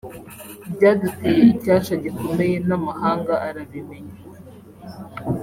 Byaduteye icyasha gikomeye n’amahanga arabimenya